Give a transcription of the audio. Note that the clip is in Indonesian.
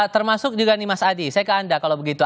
termasuk juga nih mas adi saya ke anda kalau begitu